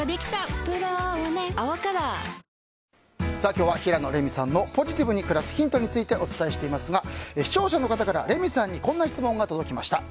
今日は平野レミさんのポジティブに暮らすヒントについてお伝えしていますが視聴者の方から、レミさんにこんな質問が届きました。